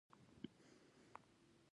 د هوند اصول د اټومي اوربیتالونو شکل ښيي.